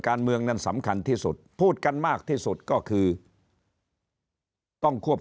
การเมืองนั้นสำคัญที่สุดพูดกันมากที่สุดก็คือต้องควบ